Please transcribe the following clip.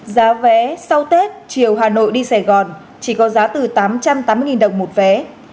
giá vé sau tết chiều hà nội đi sài gòn chỉ có giá từ tám trăm tám mươi đồng một vé